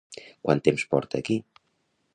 Quant temps porta aquí?